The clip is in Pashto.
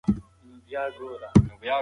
د قمرۍ خلی په ډېر احتیاط سره ونې ته ورسېد.